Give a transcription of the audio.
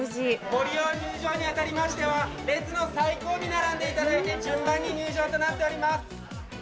ご利用、入場にあたりましては、列の最後尾に並んでいただいて、順番に入場となっております。